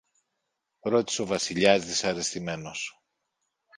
ρώτησε ο Βασιλιάς δυσαρεστημένος.